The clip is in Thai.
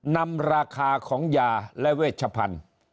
นำราคาของยาและเวชพันธุ์